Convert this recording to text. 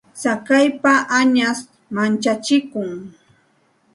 Tsakaypa añash manchachikun.